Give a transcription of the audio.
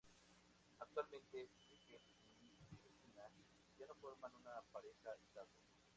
Actualmente, Mikkel y Medina ya no forman una pareja estable.